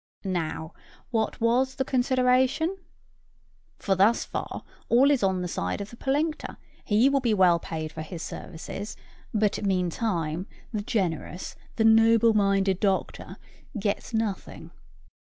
Now what was the consideration? For thus far all is on the side of the pollinctor: he will be well paid for his services; but, meantime, the generous, the noble minded doctor gets nothing.